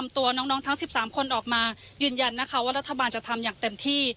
ตัวน้องทั้ง๑๓คนออกมายืนยันนะคะว่ารัฐบาลจะทำอย่างเต็มที่